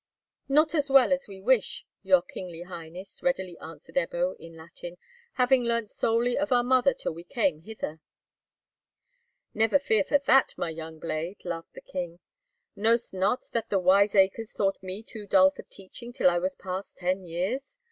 "Not as well as we wish, your kingly highness," readily answered Ebbo, in Latin, "having learnt solely of our mother till we came hither." "Never fear for that, my young blade," laughed the king. "Knowst not that the wiseacres thought me too dull for teaching till I was past ten years?